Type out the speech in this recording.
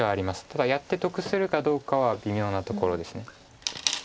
ただやって得するかどうかは微妙なところです。